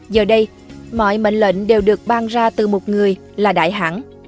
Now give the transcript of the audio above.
giờ đây mọi mệnh lệnh đều được ban ra từ một người là đại hãng